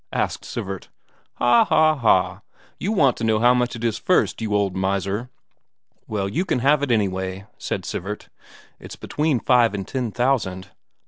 asked Sivert. "Ha ha ha, you want to know how much it is first, you old miser!" "Well, you can have it, anyway," said Sivert. "It's between five and ten thousand."